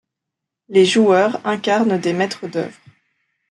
Les joueurs incarnent des maîtres d’œuvre.